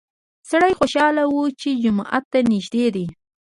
سړی خوشحاله و چې جومات ته نږدې دی.